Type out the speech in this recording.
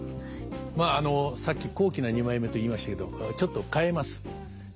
まあさっき「高貴な二枚目」と言いましたけどちょっと変えます。